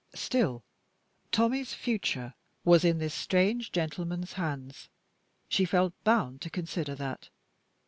Still, Tommie's future was in this strange gentleman's hands; she felt bound to consider that.